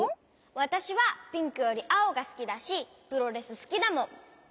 わたしはピンクよりあおがすきだしプロレスすきだもん！